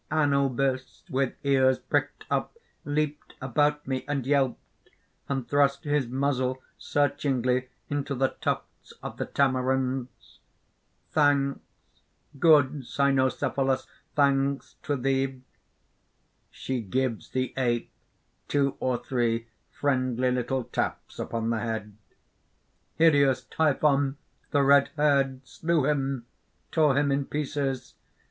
Anubis, with ears pricked up, leaped about me, and yelped, and thrust his muzzle searchingly into the tufts of the tamarinds. "Thanks, good Cynocephalos thanks to thee!" (She gives the ape two or three friendly little taps upon the head.) "Hideous Typhon, the red haired slew him, tore him in pieces!